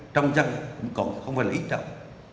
trong dân cũng không phải lý trọng